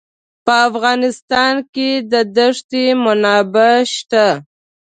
په افغانستان کې د ښتې منابع شته.